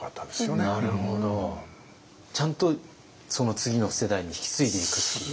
ちゃんとその次の世代に引き継いでいくっていう。